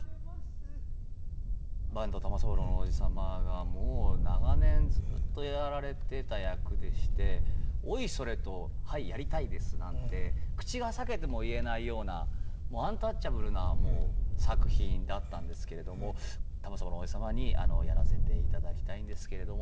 坂東玉三郎のおじ様がもう長年ずっとやられてた役でしておいそれと「はいやりたいです」なんて口が裂けても言えないようなもうアンタッチャブルな作品だったんですけれども玉三郎のおじ様に「やらせていただきたいんですけれども」と言ったら。